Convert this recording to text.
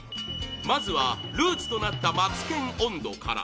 まずはルーツとなった「松健音頭」から